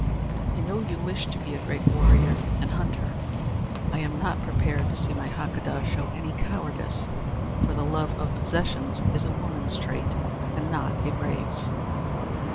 I know you wish to be a great warrior and hunter. I am not prepared to see my Hakadah show any cowardice, for the love of possessions is a woman's trait and not a brave's."